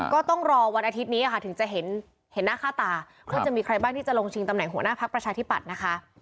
ก็ต้องรอวันอาทิตย์นี้ค่ะถึงจะเห็นหน้าค่าตาว่าจะมีใครบ้างที่จะลงชิงตำแหน่งหัวหน้าพักประชาธิปัตย์นะคะ